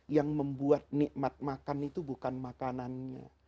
yang membuat nikmat makan itu bukan makanannya